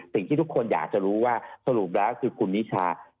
สิ่งที่ทุกคนอยากจะรู้ว่าสรุปแล้วคือคุณนิชา